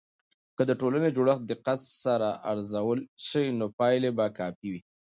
که د ټولنې جوړښت دقت سره ارزول سي، نو پایلې به کافي وي.